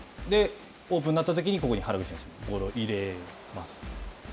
オープンになったときに原口選手にボールを入れます。